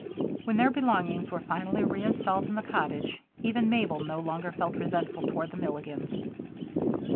When their belongings were finally reinstalled in the cottage even Mabel no longer felt resentful toward the Milligans.